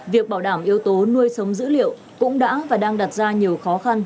việc bảo đảm yếu tố nuôi sống dữ liệu cũng đã và đang đặt ra nhiều khó khăn